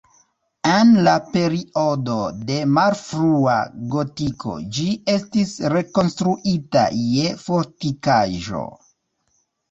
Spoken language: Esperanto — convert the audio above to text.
En la periodo de malfrua gotiko ĝi estis rekonstruita je fortikaĵo.